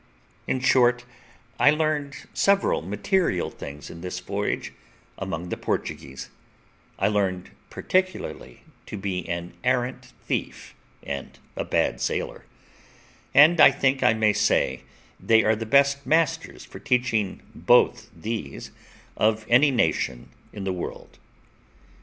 In short, I learned several material things in this voyage among the Portuguese; I learned particularly to be an arrant thief and a bad sailor; and I think I may say they are the best masters for teaching both these of any nation in the world.